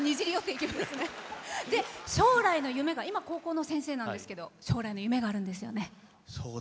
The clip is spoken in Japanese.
将来の夢が今、高校の先生なんですけど将来の夢があるんですよね。